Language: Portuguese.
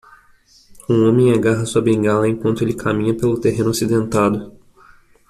Um homem agarra sua bengala enquanto ele caminha pelo terreno acidentado.